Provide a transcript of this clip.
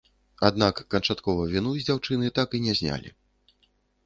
Аднак канчаткова віну з дзяўчыны так і не знялі.